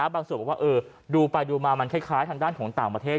บางส่วนบอกว่าดูไปดูมามันคล้ายทางด้านของต่างประเทศ